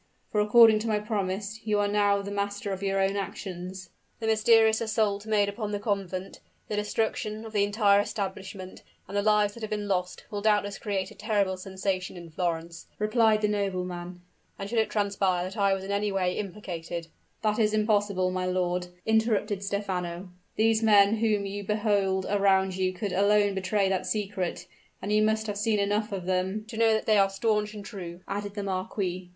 for according to my promise, you are now the master of your own actions." "The mysterious assault made upon the convent the destruction of the entire establishment and the lives that have been lost, will doubtless create a terrible sensation in Florence," replied the nobleman; "and should it transpire that I was in any way implicated " "That is impossible, my lord," interrupted Stephano. "These men whom you behold around you could alone betray that secret; and you must have seen enough of them " "To know that they are stanch and true," added the marquis.